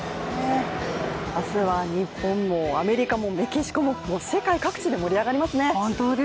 明日は日本もアメリカもメキシコも、世界各地で盛り上がりますね。